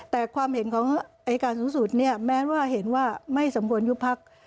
แต่ความเห็นของอายการสูงสุดเนี่ยแม้ว่าเห็นว่าไม่สมควรยุบพัก